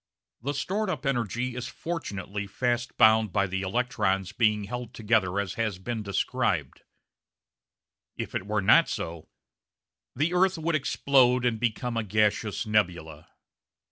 The stored up energy is fortunately fast bound by the electrons being held together as has been described. If it were not so "the earth would explode and become a gaseous nebula"!